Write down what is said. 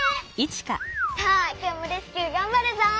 さあ今日もレスキューがんばるぞ！